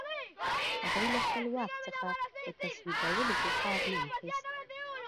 هغوی له خپل واک څخه په تصویبولو کې کار نه اخیست.